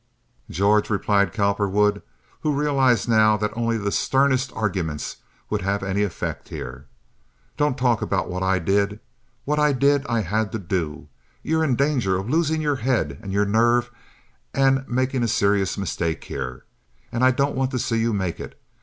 "George," replied Cowperwood, who realized now that only the sternest arguments would have any effect here, "don't talk about what I did. What I did I had to do. You're in danger of losing your head and your nerve and making a serious mistake here, and I don't want to see you make it.